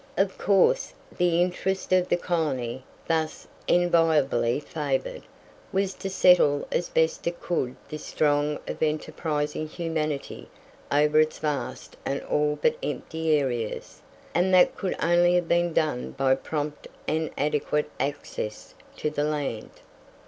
Of course, the interest of a colony, thus enviably favoured, was to settle as best it could this throng of enterprising humanity over its vast and all but empty areas, and that could only have been done by prompt and adequate access to the land.